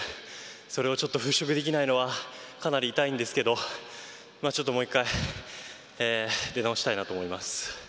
それを払拭できないのはかなり痛いんですけどもう１回出直したいなと思います。